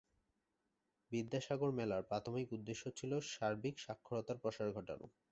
বিদ্যাসাগর মেলার প্রাথমিক উদ্দেশ্য ছিল সার্বিক সাক্ষরতার প্রসার ঘটানো।